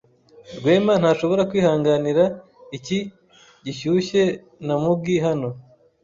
Rwema ntashobora kwihanganira icyi gishyushye na muggy hano,